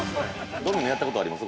◆ドミノやったことあります？